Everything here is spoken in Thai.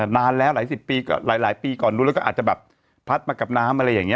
นานแล้วหลายปีก่อนแล้วก็อาจจะแบบพัดมากับน้ำอะไรอย่างนี้